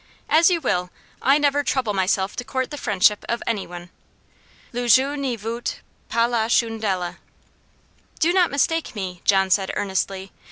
"As you will! I never trouble myself to court the friendship of any one. Le jeu ne vaut pas la chandelle." "Do not mistake me," John said, earnestly.